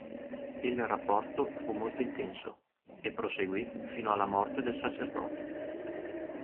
Il rapporto fu molto intenso, e proseguì fino alla morte del sacerdote.